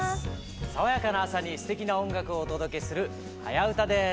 爽やかな朝にすてきな音楽をお届けする「はやウタ」です。